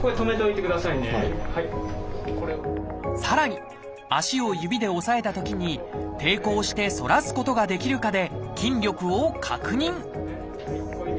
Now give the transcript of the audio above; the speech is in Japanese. さらに足を指で押さえたときに抵抗して反らすことができるかで筋力を確認